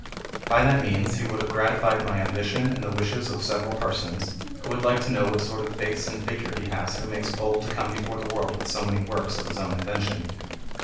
By that means he would have gratified my ambition and the wishes of several persons, who would like to know what sort of face and figure has he who makes bold to come before the world with so many works of his own invention.